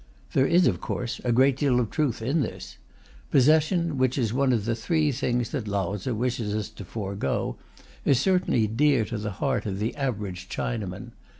There is, of course, a great deal of truth in this. Possession, which is one of the three things that Lao Tze wishes us to forego, is certainly dear to the heart of the average Chinaman.